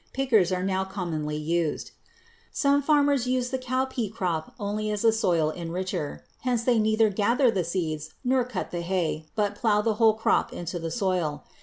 Pickers are now commonly used. Some farmers use the cowpea crop only as a soil enricher. Hence they neither gather the seeds nor cut the hay, but plow the whole crop into the soil.